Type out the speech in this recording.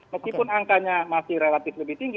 meskipun angkanya masih relatif lebih tinggi